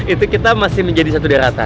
itu kita masih menjadi satu daerah